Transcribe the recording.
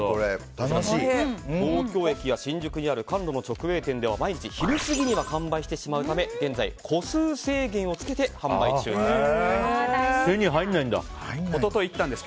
東京駅や新宿にあるカンロの直営店では毎日昼過ぎには完売してしまうため現在、個数制限をつけて販売中だということです。